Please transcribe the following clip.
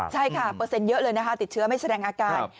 ใช่ค่ะเปอร์เซ็นต์เยอะเลยนะคะติดเชื้อไม่แสดงอาการ